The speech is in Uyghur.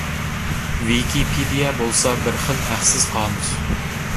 ۋىكىپېدىيە بولسا بىر خىل ھەقسىز قامۇس.